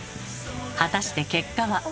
果たして結果は。